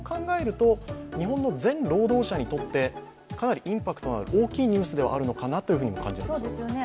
そう考えると日本の全労働者にとって、かなりインパクトのある大きなニュースであるのかなと感じます。